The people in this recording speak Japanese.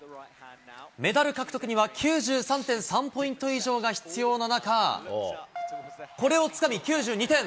メダル獲得には９３．３ポイント以上が必要な中、これをつかみ９２点。